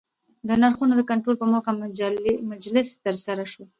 د نرخونو د کنټرول په موخه مجلس ترسره سو